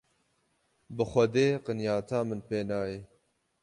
Bi xwedê qinyeta min pê nayê.